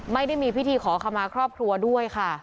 ไม่ได้มีพิธีขอขมาครอบครัวด้วยค่ะ